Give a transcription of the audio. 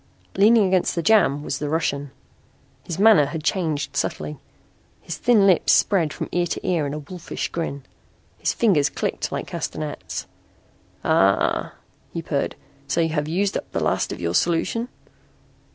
Leaning against the jamb was the Russian. His manner had changed subtly. His thin lips spread from ear to ear in a wolfish grin. His fingers clicked like castanets. "Ah," he purred. "So you have used up the last of your solution?"